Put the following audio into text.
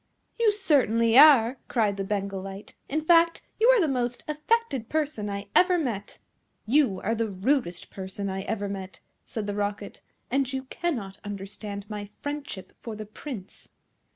"You certainly are!" cried the Bengal Light. "In fact, you are the most affected person I ever met." "You are the rudest person I ever met," said the Rocket, "and you cannot understand my friendship for the Prince."